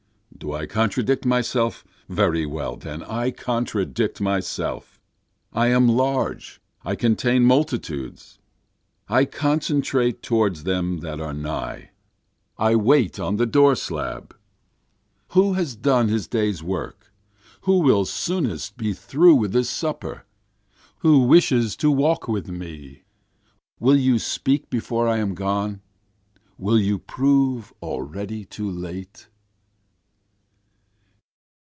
Do I contradict myself? Very well then I contradict myself, (I am large, I contain multitudes.) I concentrate toward them that are nigh, I wait on the door slab. Who has done his day's work? who will soonest be through with his supper? Who wishes to walk with me? Will you speak before I am gone? will you prove already too late?